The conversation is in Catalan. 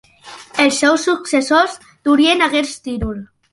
Els seus successors durien aquest títol.